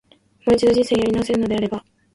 もう一度、人生やり直せるのであれば、